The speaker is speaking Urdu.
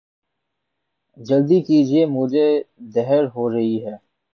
جلدی کیجئے مجھے دعر ہو رہی ہے